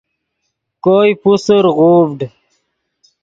کوئے پوسر غوڤڈ